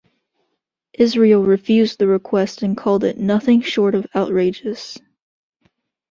Israel refused the request, and called it "nothing short of outrageous".